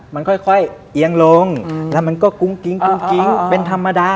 มันค่อยเอียงลงแล้วมันก็กุ้งกิ๊งเป็นธรรมดา